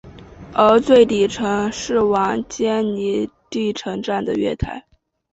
而最底层是往坚尼地城站的月台。